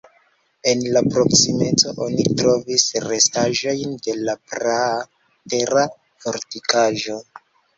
En la proksimeco oni trovis restaĵojn de praa tera fortikaĵo.